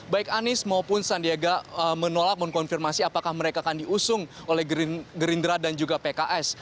baik anies maupun sandiaga menolak mengkonfirmasi apakah mereka akan diusung oleh gerindra dan juga pks